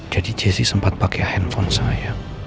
jadi jessy sempat pakai handphone saya